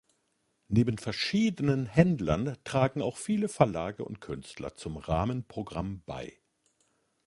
Neben verschiedenen Händlern tragen auch viele Verlage und Künstler zum Rahmenprogramm bei.